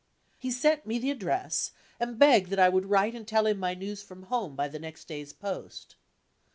He sent me the address, and begged that I would write and tell him my news from home by the next day's post.